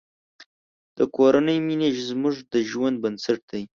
د کورنۍ مینه زموږ د ژوند بنسټ دی.